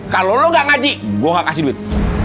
kalau lo gak ngaji gue gak kasih duit